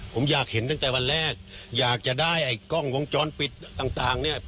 ผมอยากเห็นตั้งแต่วันแรกอยากจะได้ไอ้กล้องวงจรปิดต่างเนี่ย